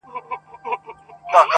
چي مو د پېغلو سره سم ګودر په کاڼو ولي-